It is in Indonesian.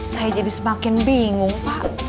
saya jadi semakin bingung pak